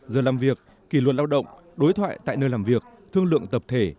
giờ làm việc kỷ luật lao động đối thoại tại nơi làm việc thương lượng tập thể